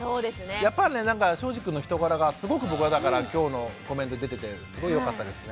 やっぱりねなんか庄司くんの人柄がすごく僕はだから今日のコメントに出ててすごいよかったですね。